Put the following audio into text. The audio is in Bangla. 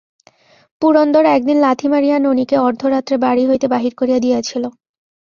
পুরন্দর একদিন লাথি মারিয়া ননিকে অর্ধরাত্রে বাড়ি হইতে বাহির করিয়া দিয়াছিল।